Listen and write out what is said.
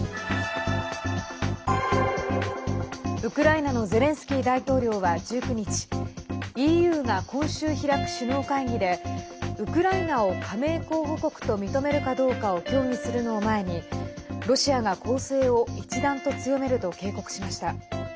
ウクライナのゼレンスキー大統領は１９日ＥＵが今週、開く首脳会議でウクライナを加盟候補国と認めるかどうかを協議するのを前にロシアが攻勢を一段と強めると警告しました。